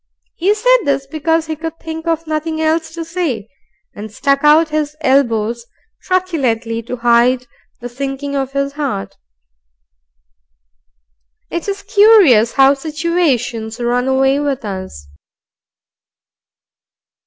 He said this because he could think of nothing else to say, and stuck out his elbows truculently to hide the sinking of his heart. It is curious how situations run away with us.